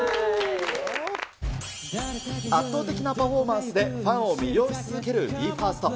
圧倒的なパフォーマンスでファンを魅了し続けるＢＥ：ＦＩＲＳＴ。